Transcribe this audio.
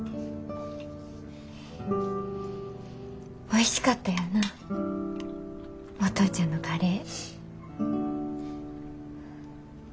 おいしかったよなぁお父ちゃんのカレー。